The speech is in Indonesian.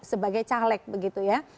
sebagai caleg begitu ya